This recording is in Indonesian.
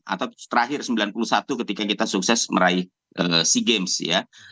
atau terakhir sembilan puluh satu ketika kita sukses meraih sea games ya